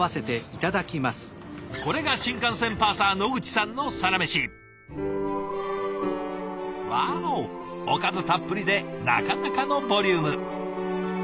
これが新幹線パーサー野口さんのサラメシ。わおおかずたっぷりでなかなかのボリューム。